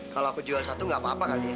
kalo aku jual satu gak apa apa kali ya